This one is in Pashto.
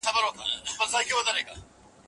کاشکې پلار مې ماته د مطالعې نوي کتابونه راوړي وای.